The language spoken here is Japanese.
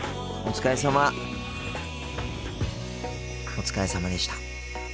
お疲れさまでした。